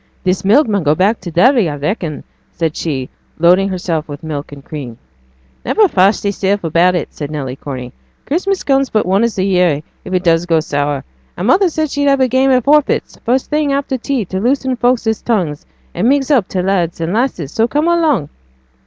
'This milk mun go back to t' dairy, I reckon,' said she, loading herself with milk and cream. 'Niver fash thysel' about it,' said Nelly Corney, 'Christmas comes but onest a year, if it does go sour; and mother said she'd have a game at forfeits first thing after tea to loosen folks's tongues, and mix up t' lads and lasses, so come along.'